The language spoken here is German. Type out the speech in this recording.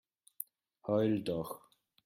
Heul doch!